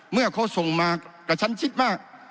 เมื่อเขาส่งมากระชั้นชิดมาก